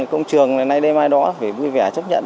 công trường này đây mai đó phải vui vẻ chấp nhận